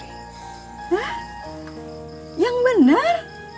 hah yang benar